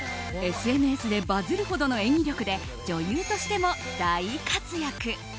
ＳＮＳでバズるほどの演技力で女優としても大活躍！